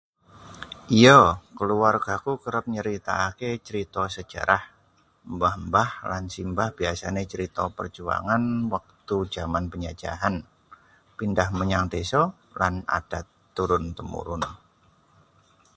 Iyo, keluargaku kerep nyritakake crita sejarah. Embah-embah lan simbah biasane crita perjuangan wektu jaman penjajahan, pindah menyang desa, lan adat turun-temurun.